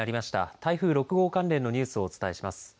台風６号関連のニュースをお伝えします。